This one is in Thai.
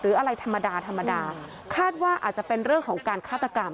อะไรธรรมดาธรรมดาคาดว่าอาจจะเป็นเรื่องของการฆาตกรรม